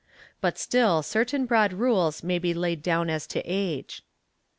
But still certain broad rules may be laid down as to age.